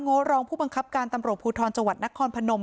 ้อรองผู้บังคับการตำรวจภูทรจังหวัดนครพนม